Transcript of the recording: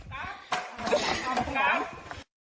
เฮ้ยหยุด